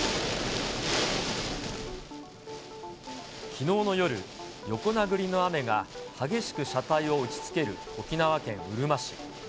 きのうの夜、横殴りの雨が激しく車体を打ちつける沖縄県うるま市。